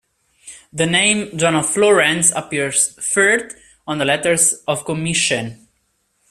The name "John of Florence" appears third on the letters of commission.